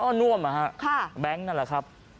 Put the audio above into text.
พ่อน่วมหรือบ๊แก๊งนั่นแหละค่ะ